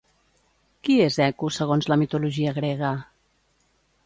Qui és Eco segons la mitologia grega?